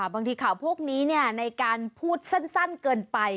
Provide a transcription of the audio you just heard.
บางทีข่าวพวกนี้ในการพูดสั้นเกินไป